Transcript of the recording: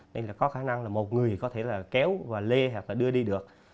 đây là có khả năng là một người có thể là kéo và lê hoặc là đưa đi được